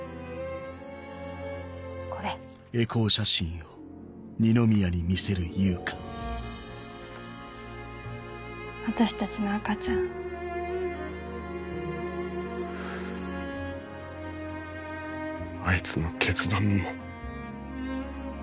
これ私たちの赤ちゃんあいつの決断も。